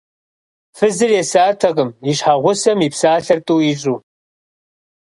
Фызыр есатэкъым и щхьэгъусэм и псалъэр тӏу ищӏу.